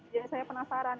jadi saya penasaran